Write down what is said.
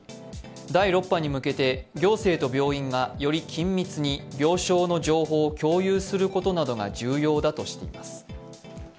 第６波に向けて行政と病院が、より緊密に病床の情報を共有することなどが重要だとしています。